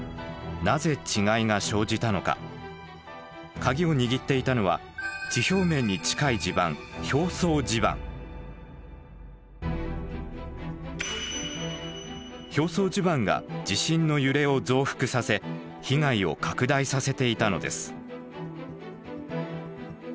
鍵を握っていたのは地表面に近い地盤表層地盤が地震の揺れを増幅させ被害を拡大させていたのです。